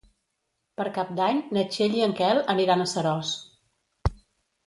Per Cap d'Any na Txell i en Quel aniran a Seròs.